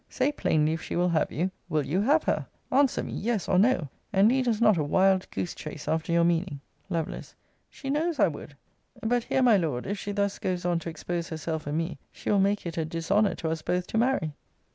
Say plainly, if she will have you, will you have her? Answer me, yes or no; and lead us not a wild goose chace after your meaning. Lovel. She knows I would. But here, my Lord, if she thus goes on to expose herself and me, she will make it a dishonour to us both to marry.